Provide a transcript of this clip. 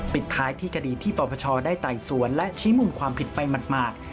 ปิดท้ายที่คดีที่ปปชได้ไต่สวนและชี้มูลความผิดไปหมาด